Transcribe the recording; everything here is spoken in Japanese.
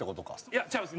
いや違います。